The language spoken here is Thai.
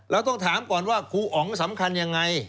เราต้องถามก่อนว่าครูอ๋องสำคัญยังไง